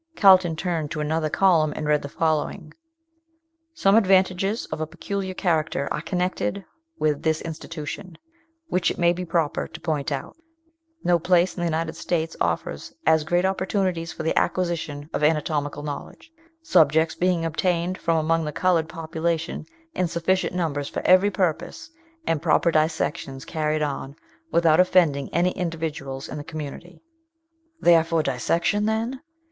Carlton turned to another column, and read the following: "Some advantages of a peculiar character are connected with this institution, which it may be proper to point out. No place in the United States offers as great opportunities for the acquisition of anatomical knowledge. Subjects being obtained from among the coloured population in sufficient numbers for every purpose, and proper dissections carried on without offending any individuals in the community!" "These are for dissection, then?"